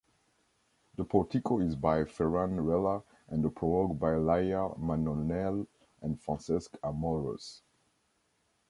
The portico is by Ferran Rella and the prologue by Laia Manonelles and Francesc Amorós.